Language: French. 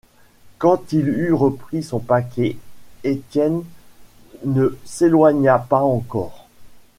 Quand il eut repris son paquet, Étienne ne s’éloigna pas encore.